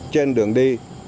trên đường đi